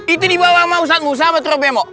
ini dibawa sama ustadz musa sama trobemo